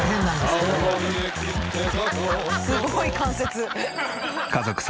すごい関節。